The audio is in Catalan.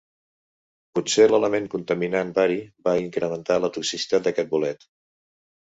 Potser l'element contaminant bari va incrementar la toxicitat d'aquest bolet.